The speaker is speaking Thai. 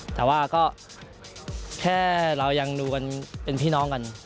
แต่ว่าก็แค่เรายังดูกันเป็นพี่น้องกัน